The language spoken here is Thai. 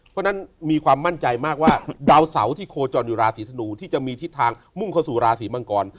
เพราะฉะนั้นมีความมั่นใจมากว่าดาวเสาที่โคจรอยู่ราศีธนูที่จะมีทิศทางมุ่งเข้าสู่ราศีมังกร